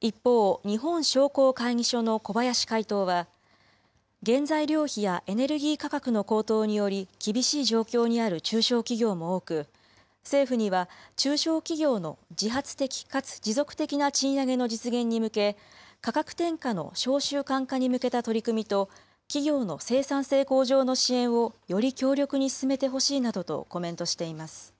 一方、日本商工会議所の小林会頭は、原材料費やエネルギー価格の高騰により、厳しい状況にある中小企業も多く、政府には、中小企業の自発的かつ持続的な賃上げの実現に向け、価格転嫁の商習慣化に向けた取り組みと、企業の生産性向上の支援をより強力に進めてほしいなどとコメントしています。